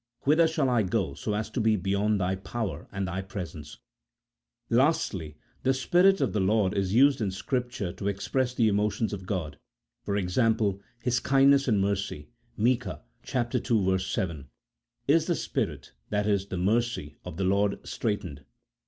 whither shall I go so as to be beyond Thy power and Thy presence ? Lastly, the Spirit of the Lord is used in Scripture to express the emotions of God, e.g. His kindness and mercy, Micah ii. 7, "Is the Spirit [i.e. the mercy] of the Lord straitened